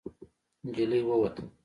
نجلۍ ووته.